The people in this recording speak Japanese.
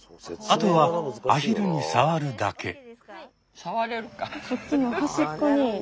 あとはアヒルに触るだけ。